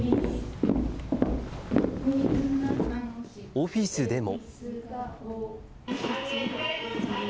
オフィスでも。